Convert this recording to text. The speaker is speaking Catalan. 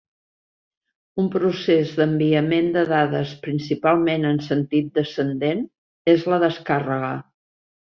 Un procés d'enviament de dades principalment en sentit descendent és la descàrrega.